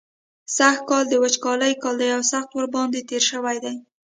سږکال د وچکالۍ کال دی او سخت ورباندې تېر شوی.